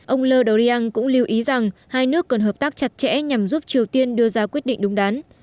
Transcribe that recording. ông le drian cũng lưu ý rằng hai nước cần hợp tác chặt chẽ nhằm giúp triều tiên đưa ra quyết định đúng đán